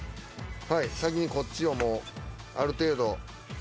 はい先にこっちをもうある程度。